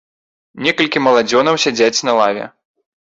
Некалькі маладзёнаў сядзяць на лаве.